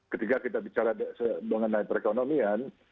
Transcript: ketika kita bicara mengenai perekonomian